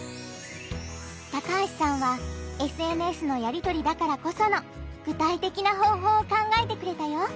高橋さんはＳＮＳのやりとりだからこその具体的な方法を考えてくれたよ！